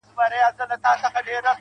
وې له بل چا سره یاري به دې له ما سره وه